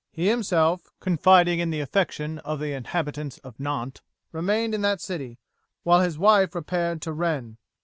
He himself, confiding in the affection of the inhabitants of Nantes, remained in that city, while his wife repaired to Rennes.